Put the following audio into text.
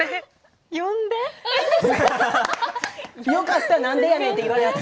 よかったなんでやねんって言われなくて。